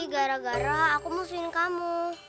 gara gara aku muslimin kamu